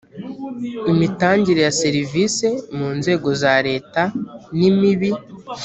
imitangire ya serivisi mu nzego za leta nimibi.